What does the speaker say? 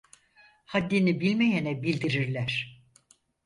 Haddini bilmeyene bildirirler.